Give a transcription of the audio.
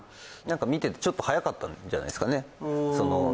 見ててちょっと早かったんじゃないですかね？